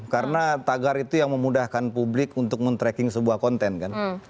karena tagar itu yang memudahkan publik untuk men tracking sebuah konten kan